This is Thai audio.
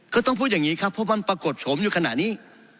ก็ต้องพูดอย่างนี้ครับเพราะมันปรากฏโฉมอยู่ขณะนี้